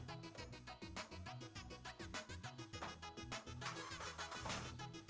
aku mau di depan aja biar gampang